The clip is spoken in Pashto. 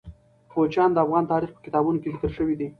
کوچیان د افغان تاریخ په کتابونو کې ذکر شوی دي.